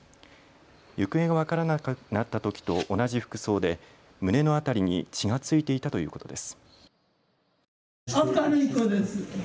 行方が分からなくなったときと同じ服装で胸の辺りに血が付いていたということです。